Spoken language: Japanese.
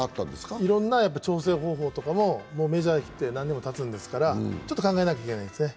いろんな調整方法とかもメジャー来て何年もたつんですからちょっと考えなきゃいかんですね。